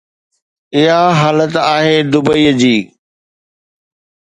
اها حالت آهي دبئي جي.